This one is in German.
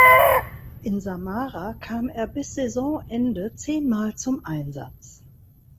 In Samara kam er bis Saisonende zehnmal zum Einsatz.